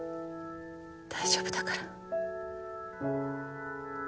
大丈夫だから。